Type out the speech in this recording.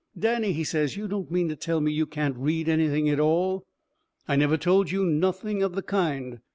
"Danny," he says, "you don't mean to tell me you can't read anything at all?" "I never told you nothing of the kind."